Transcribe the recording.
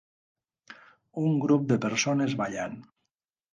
Un grup de persones ballant.